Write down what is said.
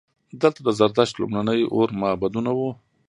دلته د زردشت لومړني اور معبدونه وو